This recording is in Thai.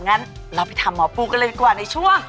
งั้นเราไปถามหมอปูกันเลยดีกว่าในช่วง